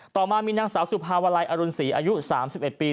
ต่อมามีนางสาวสุภาวลัยอรุณศรีอายุ๓๑ปี